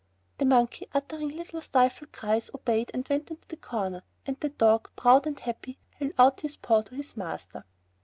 The monkey, uttering little stifled cries, obeyed and went into the corner, and the dog, proud and happy, held out his paw to his master.